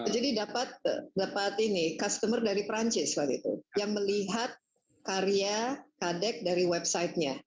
jadi dapat customer dari francis waktu itu yang melihat karya kadek dari websitenya